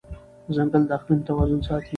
ځنګل د اقلیم توازن ساتي.